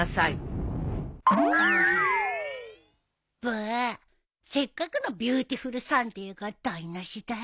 ブーせっかくのビューティフルサンデーが台無しだよ。